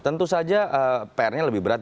tentu saja pr nya lebih berat